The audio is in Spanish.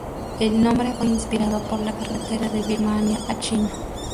El nombre fue inspirado por la carretera de Birmania a China.